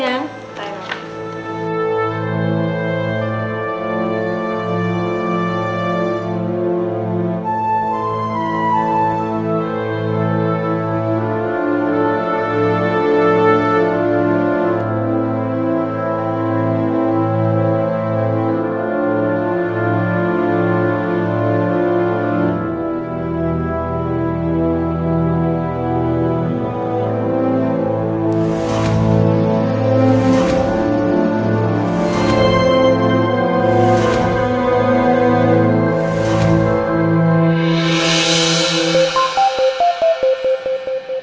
ya papa mau kembali ke rumah